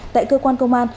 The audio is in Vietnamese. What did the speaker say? tại cơ quan công an